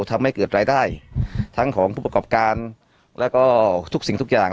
ทำให้เกิดรายได้ทั้งของผู้ประกอบการแล้วก็ทุกสิ่งทุกอย่าง